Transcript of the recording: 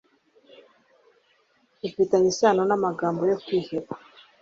Bifitanye isano n' Amagambo yo Kwiheba